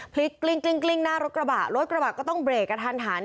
กลิ้งกลิ้งหน้ารถกระบะรถกระบะก็ต้องเบรกกระทันหัน